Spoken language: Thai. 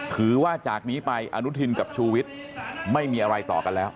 ถือว่าจากนี้ไปอนุทินกับชูวิทย์ไม่มีอะไรต่อกันแล้ว